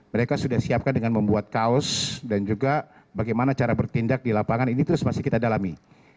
mereka sudah siapkan dengan membuat kaos dan juga bagaimana cara bertindak di lapangan ini terus masih kita dalami